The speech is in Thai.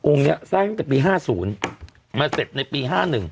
องค์นี้สร้างตั้งแต่ปี๕๐มีแต็ดในปี๕๑